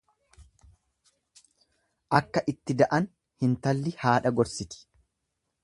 Akka itti da'an hintalli haadha gorsiti.